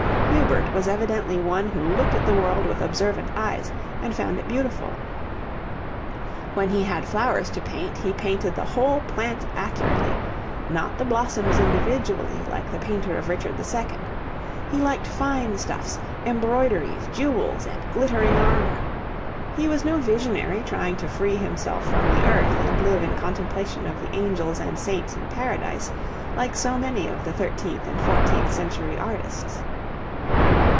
Hubert was evidently one who looked at the world with observant eyes and found it beautiful. When he had flowers to paint, he painted the whole plant accurately, not the blossoms individually, like the painter of Richard II. He liked fine stuffs, embroideries, jewels, and glittering armour. He was no visionary trying to free himself from the earth and live in contemplation of the angels and saints in Paradise, like so many of the thirteenth and fourteenth century artists.